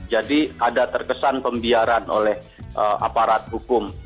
jadi ada terkesan pembiaran oleh aparat hukum